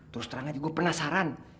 terus terang aja gue penasaran